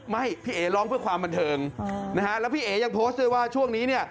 ไม่พี่เอ๋ร้องเพื่อความบันเทิงนะฮะแล้วพี่เอ๋ยังโพสต์ด้วยว่าช่วงนี้เนี่ย